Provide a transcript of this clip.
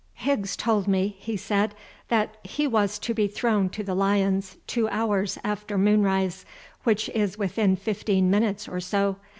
"Higgs told me," he said, "that he was to be thrown to the lions two hours after moonrise, which is within fifteen minutes or so.